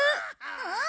うん！